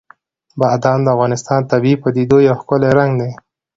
بادام د افغانستان د طبیعي پدیدو یو ښکلی رنګ دی.